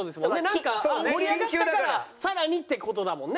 なんか盛り上がったから更にって事だもんね？